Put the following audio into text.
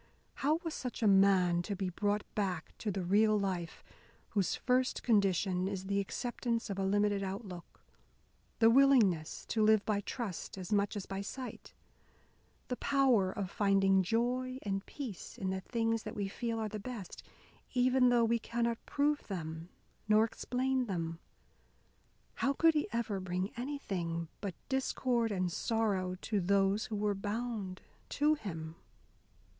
How was such a man to be brought back to the real life whose first condition is the acceptance of a limited outlook, the willingness to live by trust as much as by sight, the power of finding joy and peace in the things that we feel are the best, even though we cannot prove them nor explain them? How could he ever bring anything but discord and sorrow to those who were bound to him?